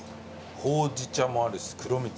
ほうじ茶もあるし黒蜜。